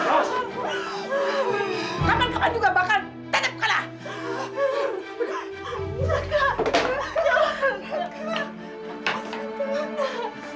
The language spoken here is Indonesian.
kamar kamar juga bakal tetep kalah